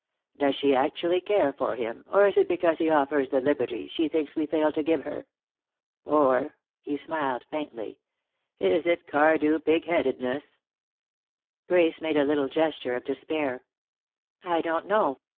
Does she actually care for him, or is it because he offers the liberty she thinks we fail to give her? Or" he smiled faintly "is it Cardew pig headedness?" Grace made a little gesture of despair. "I don't know.